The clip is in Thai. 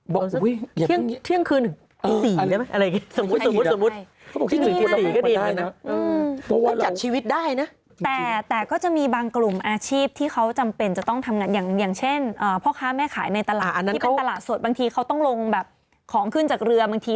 บอกว่าเที่ยงคืน๔ได้ไหมอะไรอย่างนี้